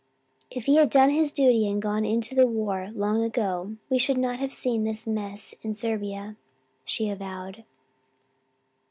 "If he had done his duty and gone into the war long ago we should not have seen this mess in Serbia," she avowed.